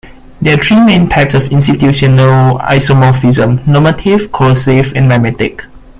There are three main types of institutional isomorphism: normative, coercive and mimetic.